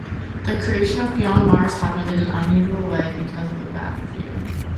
The creation of "Beyond Mars" happened in an unusual way-because of a bad review.